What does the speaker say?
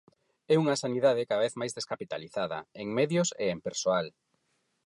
É unha sanidade cada vez máis descapitalizada en medios e en persoal.